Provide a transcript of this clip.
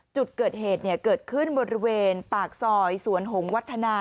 จุดเกิดเหตุเกิดขึ้นบริเวณปากซอยสวนหงวัฒนา